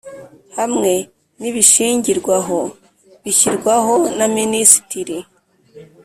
hamwe n ibishingirwaho bishyirwaho na Minisitiri